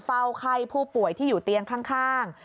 เฝ้าไข้ผู้ป่วยที่อยู่เตียงข้าง